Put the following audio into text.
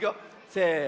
せの。